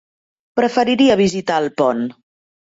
Preferiria visitar Alpont.